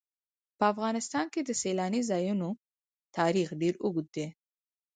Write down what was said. په افغانستان کې د سیلاني ځایونو تاریخ ډېر اوږد دی.